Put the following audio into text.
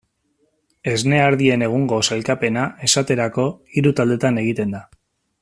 Esne ardien egungo sailkapena, esaterako, hiru taldetan egiten da.